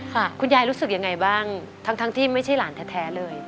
คุณยายรู้สึกยังไงบ้างทั้งที่ไม่ใช่หลานแท้เลย